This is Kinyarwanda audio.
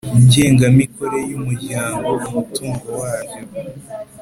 ngengamikorere y umuryango Umutungo waryo